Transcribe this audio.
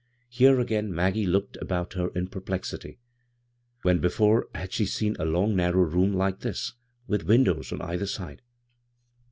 Here again Maggie looked about her in perplexity. When be fore had she seen a long narrow room like this with windows on either side